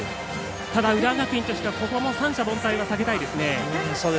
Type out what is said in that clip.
ただ、浦和学院としては三者凡退は避けたいですね。